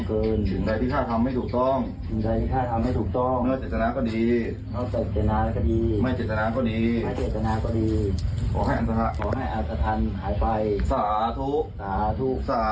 เอาเบาเปล่าวางวันนี้ไปนั่งจบซิ้นนะค่ะ